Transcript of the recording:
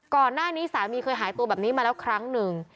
ก่อนหน้านี้สามีเคยหายตัวแบบนี้มาแล้วครั้งหนึ่ง